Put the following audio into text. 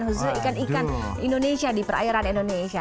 khususnya ikan ikan indonesia di perairan indonesia